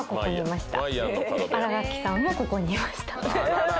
「新垣さんもここにいました」